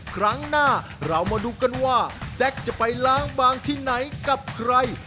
ครั้งหน้าเรามาดูกันว่าแจ็คจะไปล้างบางที่ไหนกับใคร